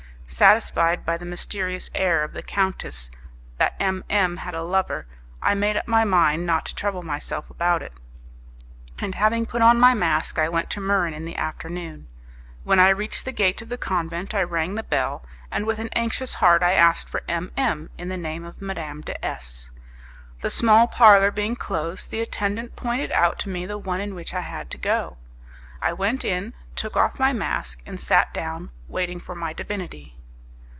Satisfied by the mysterious air of the countess that M M had a lover, I made up my mind not to trouble myself about it, and having put on my mask I went to Muran in the afternoon. When I reached the gate of the convent I rang the bell, and with an anxious heart I asked for M M in the name of Madame de S . The small parlour being closed, the attendant pointed out to me the one in which I had to go. I went in, took off my mask, and sat down waiting for my divinity.